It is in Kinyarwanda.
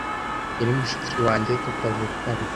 yari mushiki wanjye tutavukana